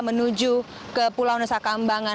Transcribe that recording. menuju ke pulau nusa kambangan